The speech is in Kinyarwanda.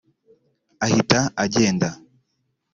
ahita agenda